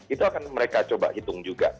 itu akan mereka coba hitung juga